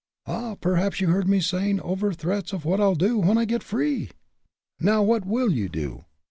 "Ah! perhaps you heard me saying over threats of what I'll do, when I get free!" "Now, what will you do?"